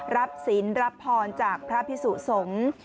รับศีลรับพรจากพระพิสุสงศ์